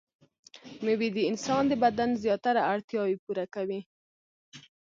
مېوې د انسان د بدن زياتره اړتياوې پوره کوي.